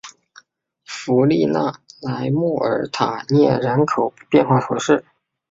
弗利讷莱莫尔塔涅人口变化图示